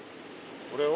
これを？